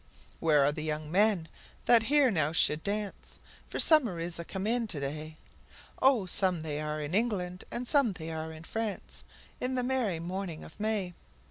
Where are the young men that here now should dance? For summer is a come in to day; Oh some they are in England, and some they are in France, In the merry morning of May!